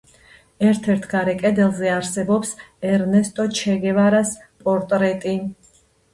ერთ-ერთ გარე კედელზე არსებობს ერნესტო ჩე გევარას პორტრეტი.